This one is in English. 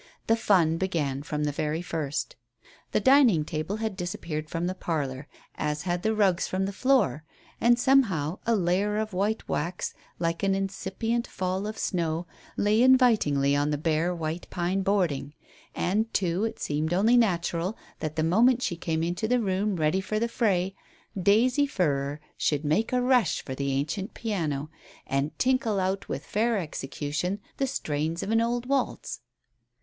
The fun began from the very first. The dining table had disappeared from the parlour, as had the rugs from the floor, and somehow a layer of white wax, like an incipient fall of snow, lay invitingly on the bare white pine boarding. And, too, it seemed only natural that the moment she came into the room ready for the fray, Daisy Furrer should make a rush for the ancient piano, and tinkle out with fair execution the strains of an old waltz.